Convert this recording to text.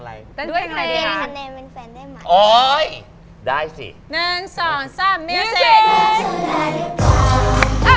ให้ใครแข่งกับใครคะ